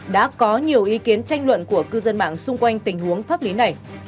đã có nhiều ý kiến tranh luận của cư dân mạng xung quanh tình huống pháp lý này